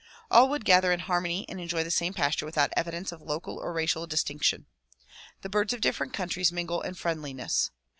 All would gather in harmony and enjoy the same pasture without evidence of local or racial distinc tion. The birds of different countries mingle in friendliness.